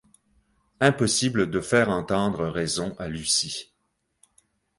Impossible de faire entendre raison à Lucie.